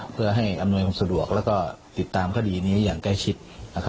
เพื่อให้อำนวยความสะดวกแล้วก็ติดตามคดีนี้อย่างใกล้ชิด